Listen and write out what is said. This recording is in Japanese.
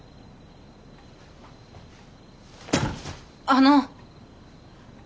あの。